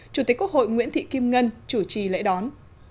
chủ tịch quốc hội nguyễn thị kim ngân chủ trì lễ đón